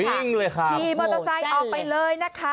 วิ่งเลยค่ะขี่มอเตอร์ไซค์ออกไปเลยนะคะ